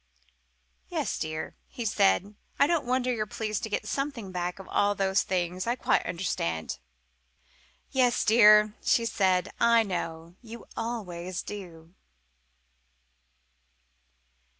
"Yes, dear," he said, "I don't wonder you're pleased to get something back out of all those things. I quite understand." "Yes, dear," said she. "I know. You always do!"